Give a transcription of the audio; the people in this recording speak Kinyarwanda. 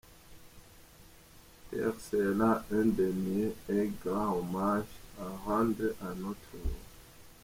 Tel serait un dernier et grand hommage à rendre à notre Roi.